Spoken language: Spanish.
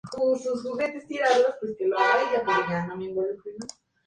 La iglesia monumental contiene la talla decorativa y vitrales ejecutados por artesanos expertos.